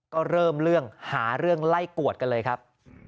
ก็เริ่มเรื่องหาเรื่องไล่กวดกันเลยครับ